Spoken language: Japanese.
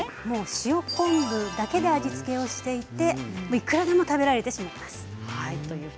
塩昆布だけで味付けをしていくらでも食べられます。